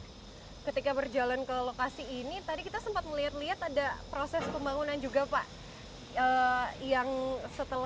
nah ketika berjalan ke lokasi ini tadi kita sempat melihat lihat ada proses pembangunan juga pak